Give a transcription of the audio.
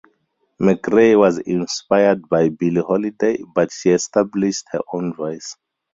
McRae was inspired by Billie Holiday, but she established her own voice.